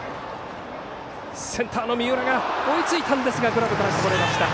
センターの三浦が追いついたんですがグラブからこぼれました。